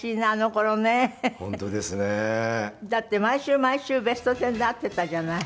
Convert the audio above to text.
だって毎週毎週『ベストテン』で会ってたじゃない。